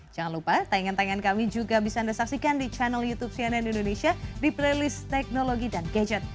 jangan lupa tayangan tayangan kami juga bisa anda saksikan di channel youtube cnn indonesia di playlist teknologi dan gadget